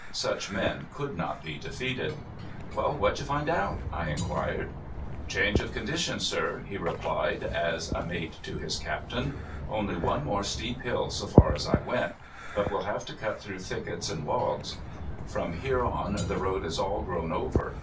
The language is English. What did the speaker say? Such men could not be defeated. "Well, what did you find out?" I inquired. "Change of conditions, sir," he replied, as a mate to his captain. "Only one more steep hill so far as I went. But we'll have to cut through thickets and logs. From here on the road is all grown over.